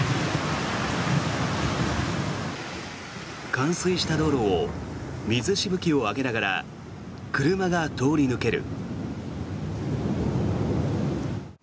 冠水した道路を水しぶきを上げながら車が通り抜ける。